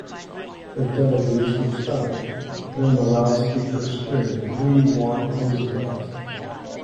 The delegates were stunned; then the loudspeaker screamed We want Roosevelt...